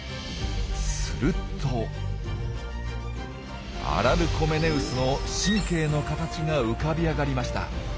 するとアラルコメネウスの神経の形が浮かび上がりました。